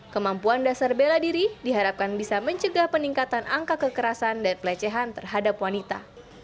kemampuan dasar bela diri diharapkan bisa mencegah peningkatan angka kekerasan dan pelecehan terhadap wanita